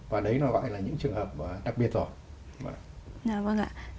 và đấy nó gọi là những trường hợp đặc biệt rồi